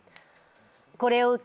これを受け